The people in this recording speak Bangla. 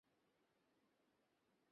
আমি ওদের সাথে যাবো?